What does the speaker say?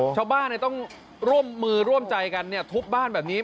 ชาวบ้านต้องร่วมมือร่วมใจกันทุบบ้านแบบนี้